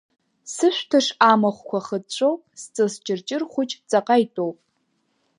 Сышәҭыш амахәқәа хыҵәҵәоуп, сҵыс ҷырҷыр хәыҷ ҵаҟа итәоуп.